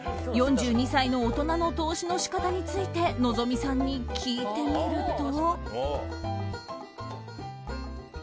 ４２歳の大人の投資の仕方について望実さんに聞いてみると。